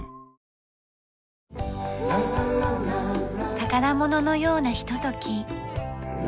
宝物のようなひととき。